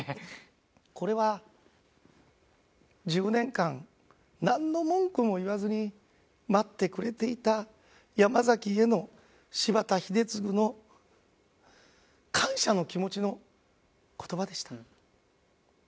これは１０年間なんの文句も言わずに待ってくれていた山崎への柴田英嗣の感謝の気持ちの言葉でした。